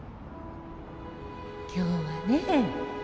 今日はね